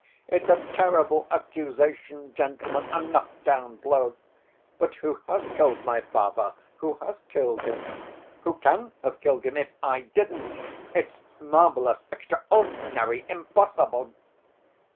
It's a terrible accusation, gentlemen, a knock‐down blow. But who has killed my father, who has killed him? Who can have killed him if I didn't? It's marvelous, extraordinary, impossible."